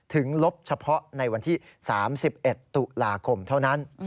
ลบเฉพาะในวันที่๓๑ตุลาคมเท่านั้น